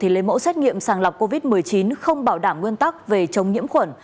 lấy mẫu xét nghiệm sàng lọc covid một mươi chín không bảo đảm nguyên tắc về chống nhiễm khuẩn